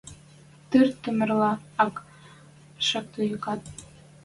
Тыр Тумерлӓ, ак шакты юкат.